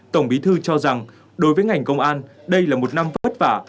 tổng bí thư cho rằng đối với ngành công an đây là một năm vất vả